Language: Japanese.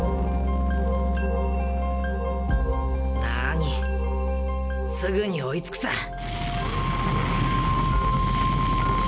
なあにすぐに追いつくさ。